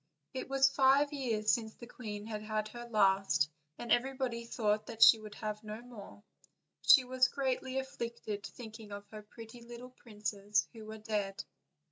It was five years since the queen had had her last, and everybody thought that die would have no more, and she was greatly afflicted thinking of her pretty little princes who were dead.